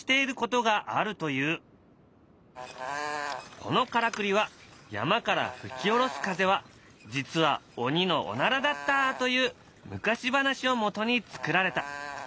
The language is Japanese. このからくりは山から吹き下ろす風は実は鬼のおならだったという昔話をもとに作られた。